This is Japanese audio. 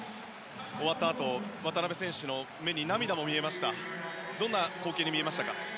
終わったあと渡邊選手の目に涙も見えましたがどんな光景でしたか。